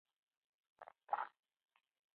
جانداد د خلکو منځ کې قدرمن ښکاري.